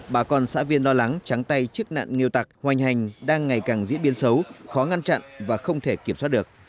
bà còn xã viên lo lắng trắng tay trước nạn nghêu tạc hoành hành đang ngày càng diễn biến xấu khó ngăn trặn và không thể kiểm soát được